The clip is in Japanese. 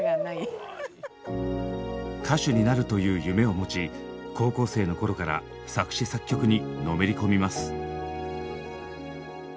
歌手になるという夢を持ち高校生の頃から作詞・作曲にのめり込みます。